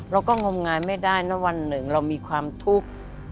งงายไม่ได้นะวันหนึ่งเรามีความทุกข์